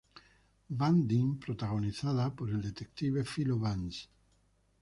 Van Dine protagonizada por el detective Philo Vance.